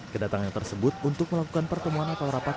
kedatangan tersebut untuk melakukan pertemuan atau rapat